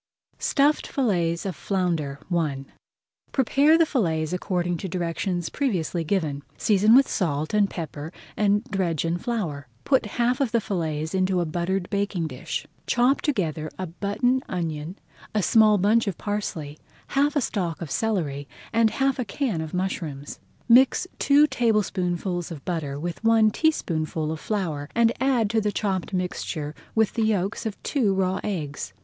STUFFED FILLETS OF FLOUNDER I Prepare the fillets according to directions [Page 146] previously given, season with salt and pepper, and dredge with flour. Put half of the fillets into a buttered baking dish. Chop together a button onion, a small bunch of parsley, half a stalk of celery and half a can of mushrooms. Mix two tablespoonfuls of butter with one teaspoonful of flour, and add to the chopped mixture with the yolks of two raw eggs.